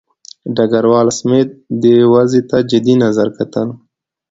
ډګروال سمیت دې وضع ته جدي نظر کتل.